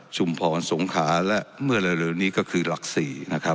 พรสงขาและเมื่อเร็วนี้ก็คือหลัก๔นะครับ